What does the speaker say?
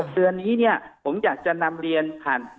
เตือนนี้ผมอยากจะนำเรียนผ่าน